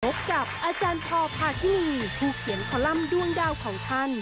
พบกับอาจารย์พอพาคินีผู้เขียนคอลัมป์ด้วงดาวของท่าน